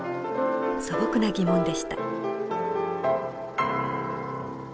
素朴な疑問でした。